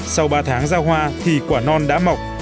sau ba tháng ra hoa thì quả non đã mọc